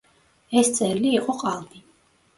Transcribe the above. ეს წერილი იყო ყალბი.